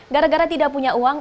gara gara tidak punya uang